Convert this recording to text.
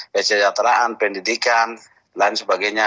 ya cederaan pendidikan dan sebagainya